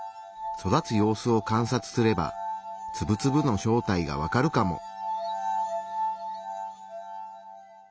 育つ様子を観察すればツブツブの正体がわかるかも。